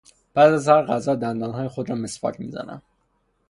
پس از هر غذا دندانهای خود را مسواک میزنم.